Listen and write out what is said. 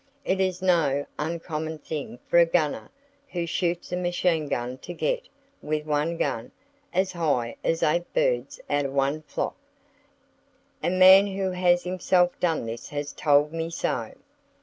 It is no uncommon thing for a gunner who shoots a machine gun to get, with one gun, as high as eight birds out of one flock. A man who has himself done this has told me so.